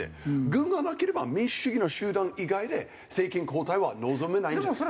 軍がなければ民主主義の集団以外で政権交代は望めないんだと。